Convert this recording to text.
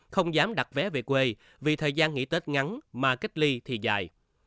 không dám đặt vé về quê vì thời gian nghỉ tết ngắn mà cách ly thì dài